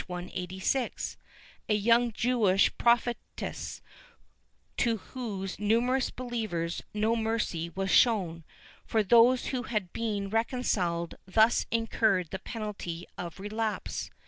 186) a young Jewish prophetess, to whose numerous believers no mercy was shown, for those who had been reconciled thus incurred the penalty of relapse.